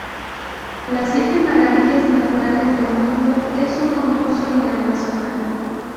Las siete maravillas naturales del mundo es un concurso internacional.